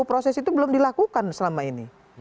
proses itu belum dilakukan selama ini